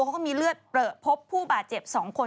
เขาก็มีเลือดเปลือพบผู้บาดเจ็บ๒คน